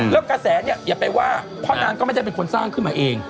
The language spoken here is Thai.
แล้วกระแสเนี่ยอย่าไปว่าเพราะนางก็ไม่ได้เป็นคนสร้างขึ้นมาเอง